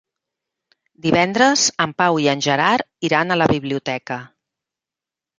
Divendres en Pau i en Gerard iran a la biblioteca.